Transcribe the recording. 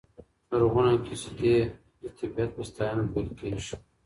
لرغونې قصیدې د طبیعت په ستاینه پیل کېږي.